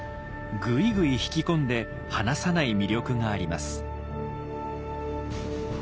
ぐいぐい引き込んで離さない魅力があります。